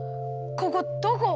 ここどこ！？